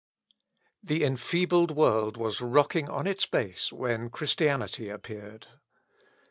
The enfeebled world was rocking on its base when Christianity appeared.